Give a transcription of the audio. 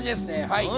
はい。